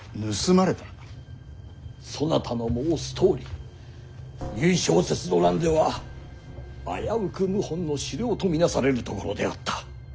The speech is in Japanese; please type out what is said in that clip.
そなたの申すとおり由井正雪の乱では危うく謀反の首領と見なされるところであった。